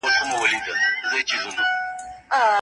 هغه په خپل ليکني یادېدی.